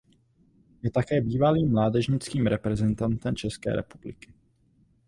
Je také bývalým mládežnickým reprezentantem České republiky.